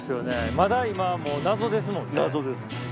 まだ今謎ですもんね。